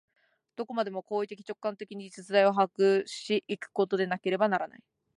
どこまでも行為的直観的に実在を把握し行くことでなければならない。